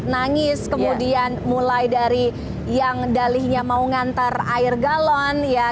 nangis kemudian mulai dari yang dalihnya mau ngantar air galon ya